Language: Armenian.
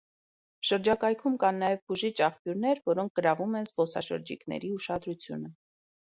Շրջակայքում կան նաև բուժիչ աղբյուրներ, որոնք գրավում են զբոսաշրջիկների ուշադրությունը։